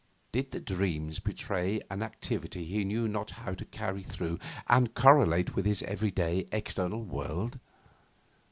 Did the dreams betray an activity he knew not how to carry through and correlate with his everyday, external world?